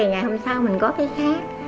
ngày hôm sau mình có cái khác